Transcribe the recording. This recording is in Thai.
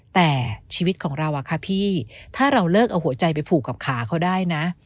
แต่ชีวิตของเราอะค่ะพี่ถ้าเราเลิกเอาหัวใจไปผูกกับขาเขาได้นะ